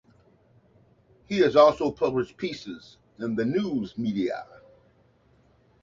He has also published pieces in the news media.